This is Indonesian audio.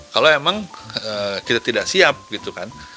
kalau memang kita tidak siap gitu kan